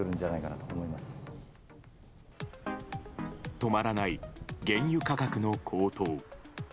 止まらない、原油価格の高騰。